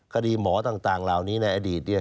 คดีหมอต่างราวนี้ในอดีต